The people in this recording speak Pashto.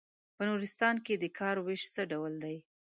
په نورستان کې د کار وېش څه ډول دی.